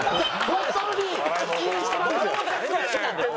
本当にいい人なんですよ！